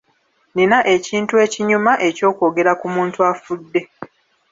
Nina ekintu ekinyuma eky'okwogera ku muntu afudde.